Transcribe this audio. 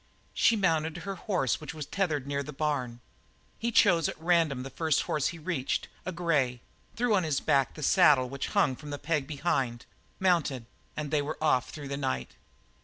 She mounted her horse, which was tethered near the barn. He chose at random the first horse he reached, a grey, threw on his back the saddle which hung from the peg behind, mounted, and they were off through the night.